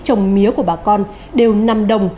trồng mía của bà con đều nằm đồng